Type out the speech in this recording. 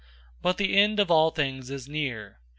004:007 But the end of all things is near.